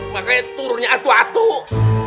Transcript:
makanya turunnya atuh atuh